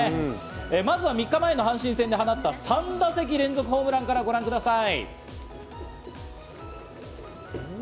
まずは３日前の阪神戦で放った３打席連続ホームランからご覧ください。